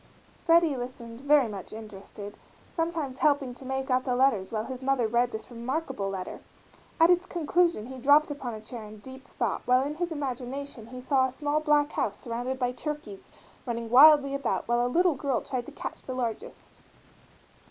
Freddie listened, very much interested, sometimes helping to make out the letters while his mother read this remarkable letter. At its conclusion he dropped upon a chair in deep thought while in his imagination he saw a small black house surrounded by turkeys running wildly about while a little girl tried to catch the largest.